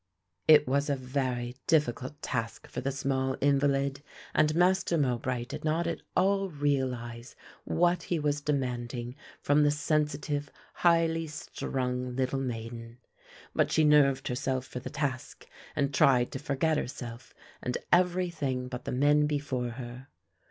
It was a very difficult task for the small invalid, and Master Mowbray did not at all realise what he was demanding from the sensitive highly strung little maiden. But she nerved herself for the task and tried to forget herself and everything but the men before her.